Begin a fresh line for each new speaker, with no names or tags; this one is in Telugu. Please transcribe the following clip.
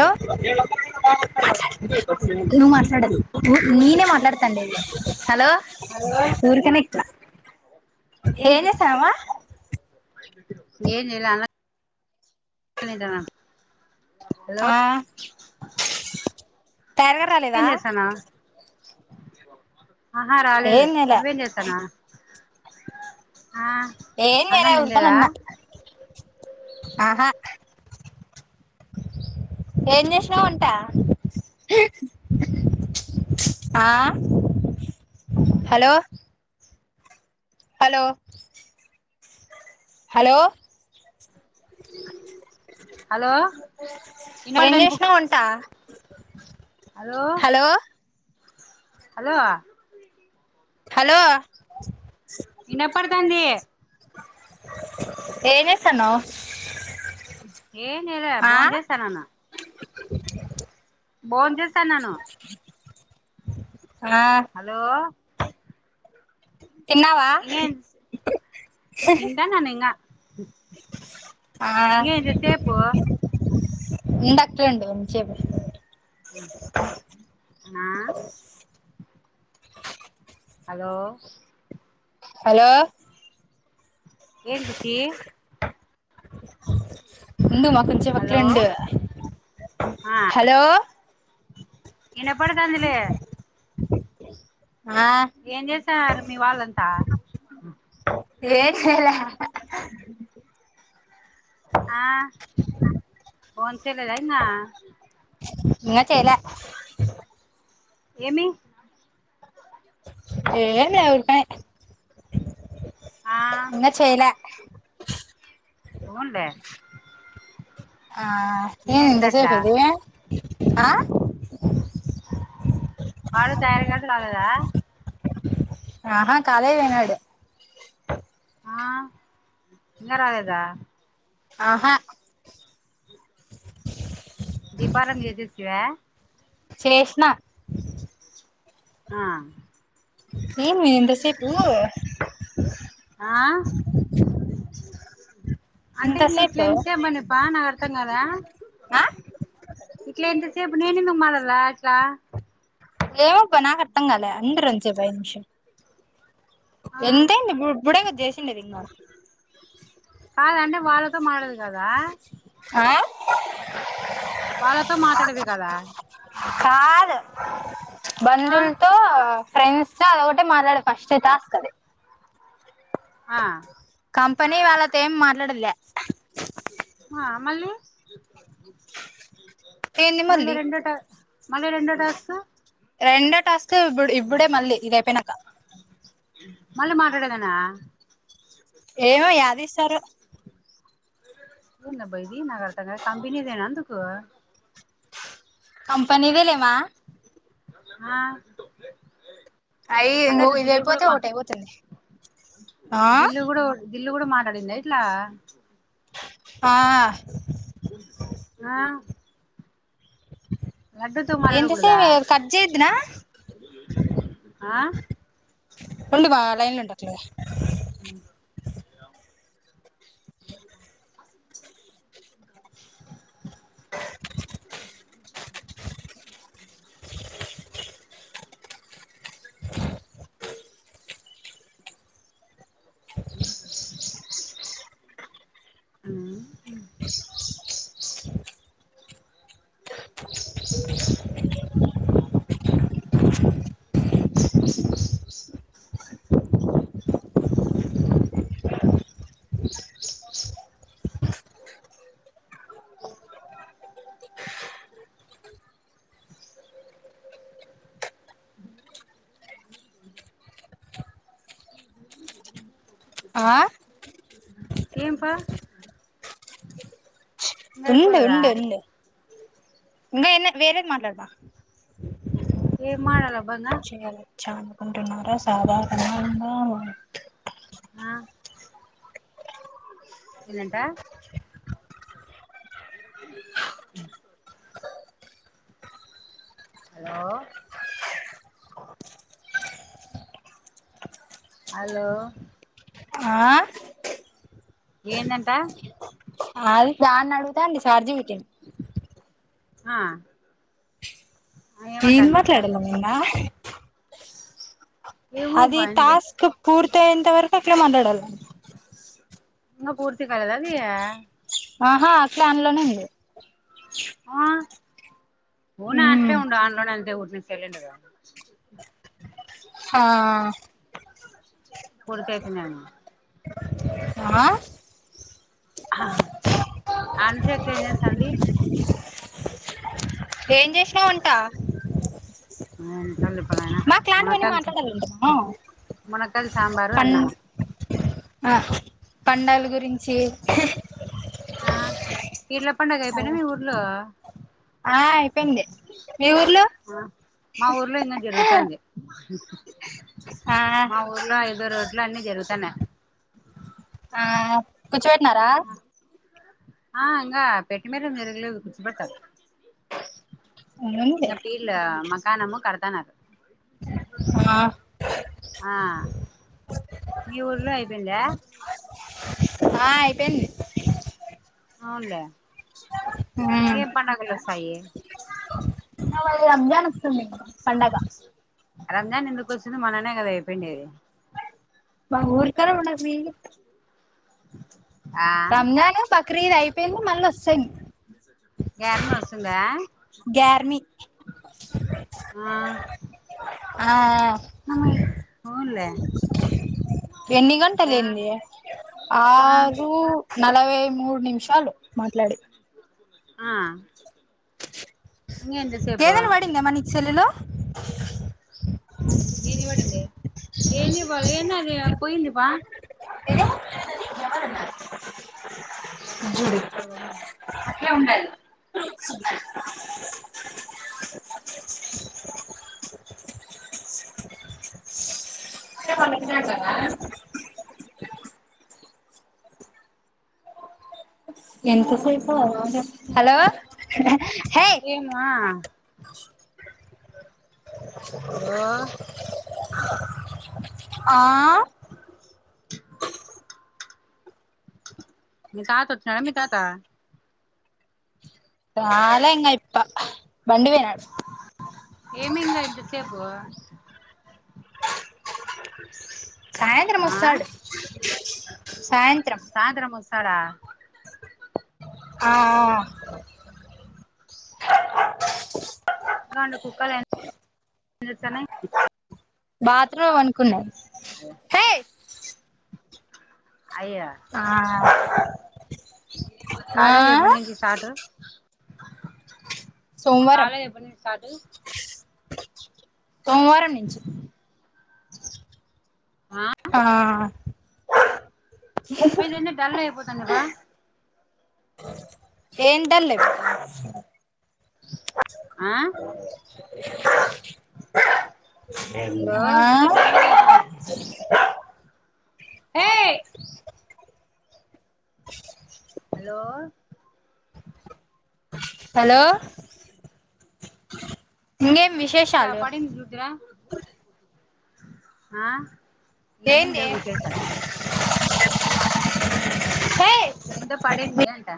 హలో నువ్వు మాట్లాడకు నేనే మాట్లాడతాను లెండి హలో
హలో
ఊరకనే ఇట్లా ఏం చేస్తానమ్మా
ఏంచేయాలే అన్ న్నం తింటానా
ఆ త్వారగా
ఏం
రాలేదా
చేస్తాన్నావ్ ఆహా
ఏం
రాలేదు
చేయలే
నువ్వేం చేస్తానా ఆ
ఏం
అన్నం
చేయలే ఊరికనే
తినలేదా
ఉన్నా ఆహా ఏం చేసినవు వంటా ఆ హలో హలో హలో
హలో
ఏం
ఇనపడదని బుక్
చేసినవు వంటా
హలో హలో
హలో
ఇనపడుతంది
ఏం చేస్తాన్నవు
ఏం చేయలే బోన్ చేస్తానన్న బోన్ చేస్తన్నాను
ఆ
హలో
తిన్నావా
తింటన్నాను ఇంగ
ఎన్ డాక్టర్ అని ఇంతసేపు
ఆ హలో
హలో
ఎన్ గుచ్చి
ఉందు మా కొంచెం అట్లే
హలో
ఉండు హలో
ఇనపడతందిలే
ఆ
ఏం చేస్తాన్నారు మీ వాళ్ళంతా
ఏం చేయలే
ఆ భోన్ చేయలేదా ఇంగా
ఏ చేయలే
ఏమి
ఏమీ లే ఊరికేనే
ఆ
ఇంగా చేయలే
ఉన్లే
ఆ ఏమి ఇంతసేపు అయింది ఆ
వాడు తయారీ కానీ కాలేదా
ఆహా కాలేజీ పోయినాడు
ఆ ఇంగ రాలేదా
ఆహా
దీపారామ్ చేసేస్తివా
చేసిన
ఆ
ఏమి ఇంతసేపు
ఆ అంటే ఇంగ ఇట్లా
ఇంతసేపు
ఎంతేసేపు మన పానర్ అర్థం కాలే
ఆ
ఇట్లా ఎంతసేపు నేను ఎందుకు మరలా రా ఇట్లా
ఏం పని నాకు అర్థం కాలే ఉండు రోంచేపు ఐదు నిమిషాలు
ఆ
ఎంత అయింది ఇప్పు ఇప్పుడే గా చేసిండేది ఇంగ
కాదు అంటే వాళ్ళతో మాట్లాడాలి కదా
ఆ
వాళ్ళతో మాట్లాడేది కదా
కాదు
ఆ
బంధువులతో ఫ్రెండ్స్ తో అద అంటే మాట్లాడేది ఫస్ట్ టాస్క్ అది
ఆ
కంపెనీ వాళ్ళతో ఏం మాట్లాడేది లే
ఆ మళ్ళీ
ఏంది
మళ్ళ
మళ్ళీ
రెండో టా మళ్ళీ రెండో టాస్క్
రెండో టాస్క్ ఇబ్ ఇబ్బుడే మళ్ళీ ఇది అయిపోయినాక
మళ్ళ మాట్లాడదేనా
ఏమో యాది ఇస్తారో
ఏందబ్బా ఇది నాకు అర్థం కాలె కంపెనీ దేనా అందుకు
కంపెనీదే లే మా
ఆ
అయి
అంటే
ఇంగో
అట్లా
ఇది
బిల్లీ కూడా
అయిపోతే ఒకటి
మాట్
అయిపోతుంది ఆ
బీల్లీ కూడా గిల్లు కూడా మాట్లాడిందా ఇట్లా
ఆ
ఆ లడ్డుతో మాట్లాడకూడదా
ఎంతసేపు కట్ చేయద్దునా
ఆ
ఉండు మా లైన్ లో ఉండు అట్లే
[inaudible] ఆ ఉ
ఆ
చేసినా ఏం పా ఇంగ
ఉండు
అయిపోలేదా
ఉండు ఉండు ఇంకా ఎన్న వేరేది మాట్లాడతా.
ఏంమారాల బన్నా.
ఎవున్నా అచ్చా అనుకుంటున్నారా సాధారణంగా
ఆ ఏందంటా. మీీరబు రేపు ట్టా ముప్పస్తారు [inaudible] హలో హలో
ఆ
ఏందంటా.
అది దాన్ని అడుగుతాంది సార్జీంగ్ పెట్టింది.
ఆ
ఏం
ఏమంటాంది చార్జ
మాట్లాడాలమ్మ ఇంగా.
ఏమో
అది
అబ్బా ఇంద
టాస్క్ పూర్తి అయ్యేంతవరకు అట్లే మాట్లాడాల.
ఇంగ పూర్తి కాలేదా అది.
ఆహా అట్లే అన్లోనే ఉంది.
ఆ పోనా అట్లే ఉండ ఆన్లోనే ఉంచి వదిలేసి వెళ్ళిండుగా.
ఆ
బురుకాయ తిన్నాను.
ఆ
అన్సేప్ ఏం చేస్తాండి.
ఏం చేశినవు వంటా?
ఎన్నిసార్లు చెప్పాలి నాయనా.
మాకు లాంటివన్నీ
మునకాల్
మాట్లాడాలంటున్నా
మునక్కాయల్, సాంబారు,
పం
అన్నము.
ఆ పండగల గురించి
ఆ పీర్ల పండుగ అయిపోయినయా మీ ఊర్లో.
ఆ అయిపోయింది. మీ ఊర్లో?
మా ఊర్లో ఇంగా జరుగుతాంది.
ఆ
మా ఊర్లో ఐదో రో లో అన్ని జరుగుతన్నయి.
ఆ కూర్చోపెట్టినారా?
ఆ ఇంగ పెట్టే మీద తిరగలేదు కూర్చోబెడతారు.
ఉంది
ఇట్ల పీర్ల మకానము కడతన్నారు.
ఆ
ఆ మీ ఊర్లో అయిపోయిందా?
ఆ అయిపోయింది.
అవున్లే ఏం పండగలు వస్తాయి.
ఆ వాళ్ళది రంజాన్ వస్తుంది పండగ.
రంజాన్ ఎందుకు వస్తుంది మొన్ననే కదా అయిపోయిండెది.
అబ్బా ఊరికనే ఉండగ [inaudible]
ఆ
రంజాన్, బక్రీద్ అయిపోయింది మళ్ళ వస్తయి.
గ్యారిమి వస్తుందా.
గ్యార్మి ఆ
ఆ
ఎన్ని గంటలు
ఆ
ఏంది
ఆ
ఆరు నలభై మూడు నిమిషాలు మాట్లాడి.
ఆ ఇంగెంత సేపు
నీ చెల్లెలు
ఏంది బడింది ఏందిపోలే ఏంది అది పోయిందిబా
చూడు
జుడి కబడింగ్డా
అంటే వాళ్ళు వచ్చారు కదా ఎంత సేపు హలో హే
ఏమా హలో
ఆ
మీ తాత వచ్చినాడ మీ తాత
రాలే ఇంగ అయ్యప్ప బండి పోయిన
ఏమింగ ఇంత సేపు
సాయంత్రం
ఆ
వస్తాడు సాయంత్రం
సాయంత్రం వస్తాడా
ఆ ఆ
ఇంట్లో ఉండే కుక్కలు ఏం చేస్తున్నాయి
బాత్రూమ్లో పడుకున్నాయి
[inaudible] అయ్యా
ఆ ఆ
కాలేజ్ ఎప్పటినుంచి స్టార్టు
సోమవారం
కాలేజ్ ఎప్పటినుండి స్టార్ట్
సోమవారం నించి ఆ
ఇయి ఇది ఎన్న డల్ల అయిపోతాదంటవా
ఏం డలే
ఆ హలో ఇన్న డల్గా
ఆ
ఏయ్ హలో
హలో ఇంగేమ్ విశేషా
ఇట్లా పడింది చూద్దురా అ ఏం
ఏంది
లేవు విశేషాలు
హే
ఏందో పడింది అంట